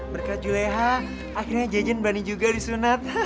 berkat juleha akhirnya jejen bani juga disunat